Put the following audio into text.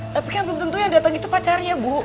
tapi kan belum tentu yang datang itu pacarnya bu